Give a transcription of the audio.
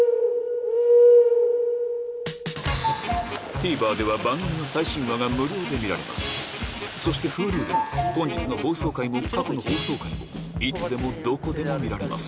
ＴＶｅｒでは番組の最新話が無料で見られますそしてＨｕｌｕでは本日の放送回も過去の放送回もいつでもどこでも見られます